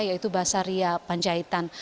yaitu basaria panjaitan